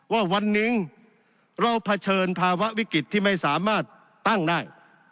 ว่าวันหนึ่งเราเผชิญภาวะวิกฤตที่ไม่สามารถตั้งได้